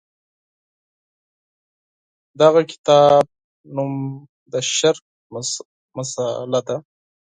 د هغه کتاب نوم د شرق مسأله ده.